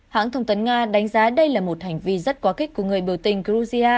hãng thông tấn nga đánh giá đây là một hành vi rất quá kích của người biểu tình georgia